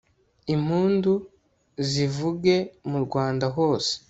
impundu nizivuge mu rwanda hose